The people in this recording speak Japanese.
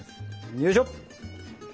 よいしょ。